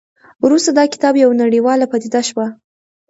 وروسته دا کتاب یوه نړیواله پدیده شوه.